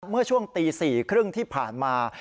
เมื่อช่วงตี๔๓๐ที่ผ่านมา